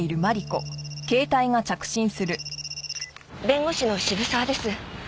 弁護士の渋沢です。